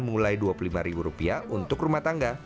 mulai rp dua puluh lima untuk rumah tangga